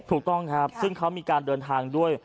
ถูกต้องครับซึ่งเขามีการเดินทางด้วย